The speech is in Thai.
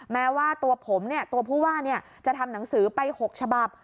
แม้ว่าตัวผมเนี่ยตัวผู้ว่าจะทำหนังสือไป๖ฉบับ